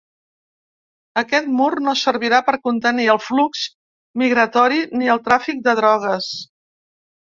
Aquest mur no servirà per contenir el flux migratori ni el tràfic de drogues.